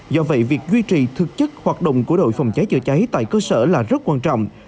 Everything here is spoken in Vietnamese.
do vậy việc duy trì thực chất hoạt động của đội phòng cháy chữa cháy tại cơ sở là rất quan trọng